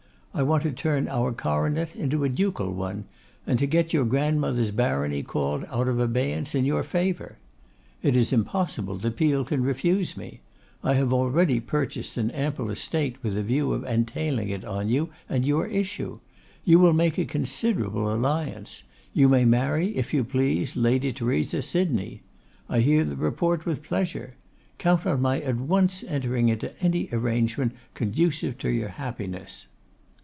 I want to turn our coronet into a ducal one, and to get your grandmother's barony called out of abeyance in your favour. It is impossible that Peel can refuse me. I have already purchased an ample estate with the view of entailing it on you and your issue. You will make a considerable alliance; you may marry, if you please, Lady Theresa Sydney. I hear the report with pleasure. Count on my at once entering into any arrangement conducive to your happiness.